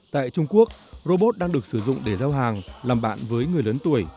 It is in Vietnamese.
tại trung quốc robot đang được sử dụng để giao hàng làm bạn với người lớn tuổi